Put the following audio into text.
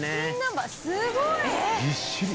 「すごい！」